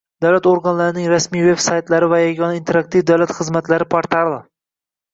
Davlat organlarining rasmiy veb-saytlari va Yagona interaktiv davlat xizmatlari portali